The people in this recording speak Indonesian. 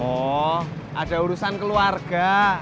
oh ada urusan keluarga